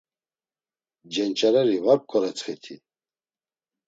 Cenç̌areri var p̌ǩoretsxiti.